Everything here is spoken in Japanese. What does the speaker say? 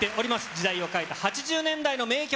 時代を変えた８０年代の名曲